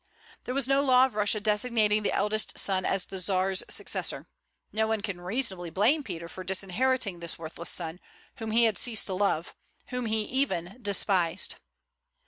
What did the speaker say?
There was no law of Russia designating the eldest son as the Czar's successor. No one can reasonably blame Peter for disinheriting this worthless son, whom he had ceased to love, whom he even despised.